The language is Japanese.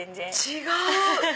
違う！